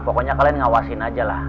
pokoknya kalian ngawasin aja lah